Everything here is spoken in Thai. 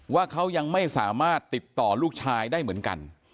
ว่าเขายังไม่สามารถติดต่อลูกชายได้เหมือนกัน